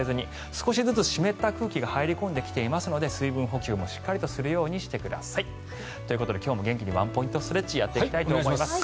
少しずつ湿った空気が入り込んできていますので水分補給もしっかりするようにしてください。ということで今日も元気にワンポイントストレッチやっていきたいと思います。